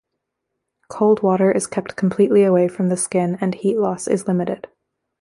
Cold water is kept completely away from the skin and heat loss is limited.